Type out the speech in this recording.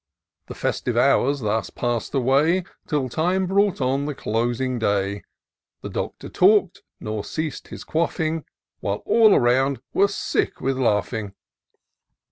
The festive hours thus pass'd away. Till time brought on the closing day ; The Doctor talk'd, nor ceas'd his quaffing. While aU around were sick with laughing.